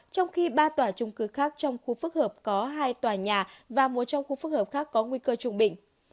trong khi ba tòa trung cư khác trong khu phức hợp có hai tòa nhà và một trong khu phức hợp khác có nguy cơ trung bình